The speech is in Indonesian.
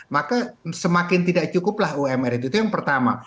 maka semakin tidak cukuplah umr itu itu yang pertama